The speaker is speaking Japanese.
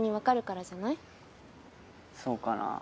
そうかな？